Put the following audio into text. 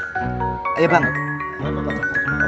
masih nggak mau ngaku juga kamu